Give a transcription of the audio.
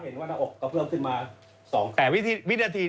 ให้เขาเห็นว่าออกกระเปื้องขึ้นมา๒ครั้ง